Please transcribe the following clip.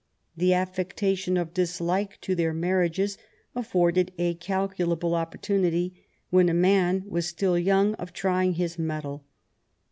The affectation of dislike to their marriages afforded a calculable opportunity, when a man was still young, of trying his mettle.